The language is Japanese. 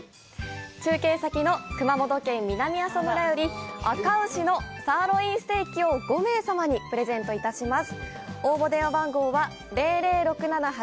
中継先の熊本県南阿蘇村より、あか牛のサーロインステーキを５名様にプレゼントいたします。